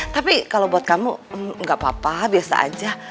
tapi kalau buat kamu gak apa apa biasa aja